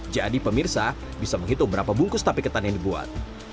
jadi pemirsa bisa menghitung berapa bungkus tape ketan yang dibungkus